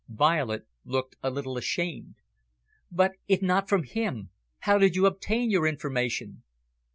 Violet looked a little ashamed. "But if not from him, how did you obtain your information?"